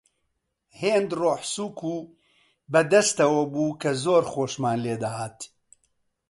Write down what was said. هێند ڕۆحسووک و بە دەستەوە بوو کە زۆر خۆشمان لێ دەهات